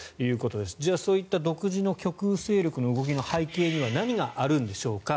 じゃあ、そういった独自の極右勢力の動きの背景には何があるのでしょうか。